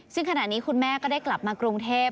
ซึ่งขณะนี้คุณแม่ก็ได้กลับมากรุงเทพ